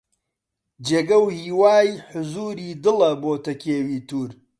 جێگە و هیوای حوزووری دڵە بۆتە کێوی توور